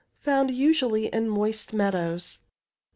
Fomid usually in moist meadows.